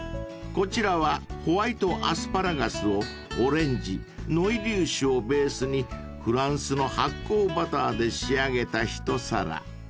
［こちらはホワイトアスパラガスをオレンジノイリー酒をベースにフランスの発酵バターで仕上げた一皿］